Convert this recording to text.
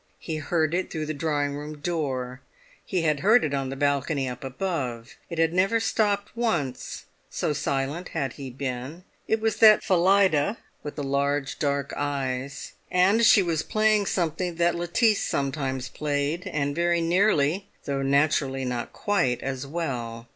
He heard it through the drawing room door; he had heard it on the balcony up above; it had never stopped once, so silent had he been. It was that Phillida, with the large dark eyes, and she was playing something that Lettice sometimes played, and very nearly, though naturally not quite, as well.